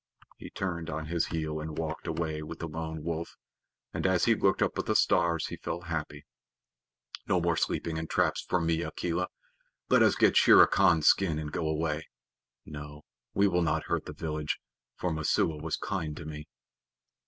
He turned on his heel and walked away with the Lone Wolf, and as he looked up at the stars he felt happy. "No more sleeping in traps for me, Akela. Let us get Shere Khan's skin and go away. No, we will not hurt the village, for Messua was kind to me."